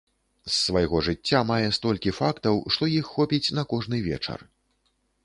З свайго жыцця мае столькі фактаў, што іх хопіць на кожны вечар.